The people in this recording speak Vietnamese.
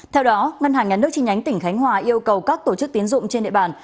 theo đó ngân hàng nhà nước chi nhánh tỉnh khánh hòa yêu cầu các tổ chức tiến dụng trên địa bàn